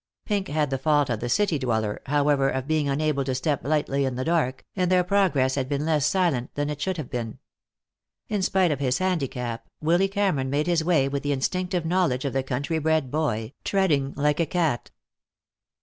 Pink had the fault of the city dweller, however, of being unable to step lightly in the dark, and their progress had been less silent than it should have been. In spite of his handicap, Willy Cameron made his way with the instinctive knowledge of the country bred boy, treading like a cat.